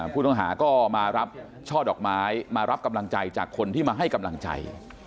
ผู้ต้องหาก็มารับช่อดอกไม้มารับกำลังใจจากคนที่มาให้กำลังใจ